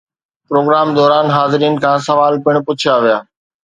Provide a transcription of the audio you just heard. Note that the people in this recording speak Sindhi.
پروگرام دوران حاضرين کان سوال پڻ پڇيا ويا